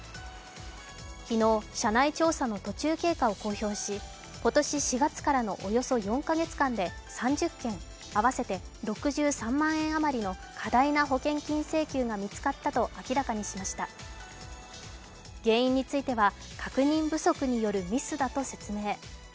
昨日、社内調査の途中経過を公表し今年４月からのおよそ４か月間で３０件、合わせて６３万円余りの過大な保険金請求が見つかったと発表しました原因については確認不足によるミスだと説明。